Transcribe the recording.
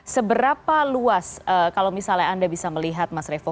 seberapa luas kalau misalnya anda bisa melihat mas revo